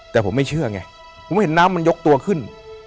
แต่ผมไม่เชื่อไงผมเห็นน้ำมันยกตัวขึ้น